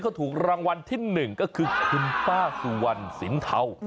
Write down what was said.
เขาถูกรางวัลที่๑ก็คือคุณป้าสุวรรณสินเทา